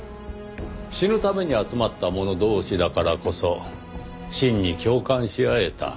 死ぬために集まった者同士だからこそ真に共感し合えた。